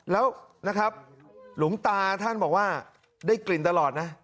แล้วนะครับหลวงตาท่านบอกว่าได้กลิ่นตลอดนะ